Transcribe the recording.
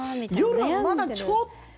夜はまだちょっと。